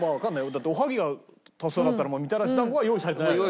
だっておはぎが多数派だったらもうみたらし団子は用意されてないから。